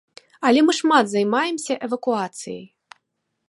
Але мы шмат займаемся эвакуацыяй.